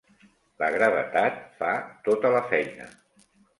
La gravetat fa tota la feina.